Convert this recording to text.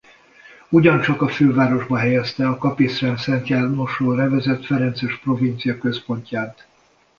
Ugyancsak a fővárosba helyezte a Kapisztrán Szent Jánosról nevezett ferences provincia központját.